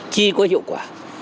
chi có hiệu quả